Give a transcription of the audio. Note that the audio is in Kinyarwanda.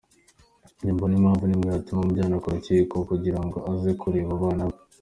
Simbona impamvu n’imwe yatuma mujyana mu rukiko kugira ngo aze kureba abana be.